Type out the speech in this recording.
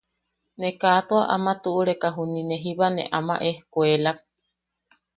Ne kaa tua ama tuʼureka juni ne jiba ne ama ejkuelak.